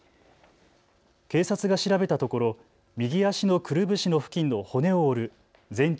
警察が調べたところ、右足のくるぶしの付近の骨を折る全治